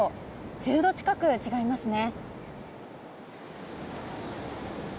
１０度近く違いますね。